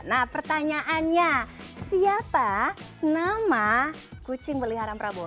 nah pertanyaannya siapa nama kucing peliharaan prabowo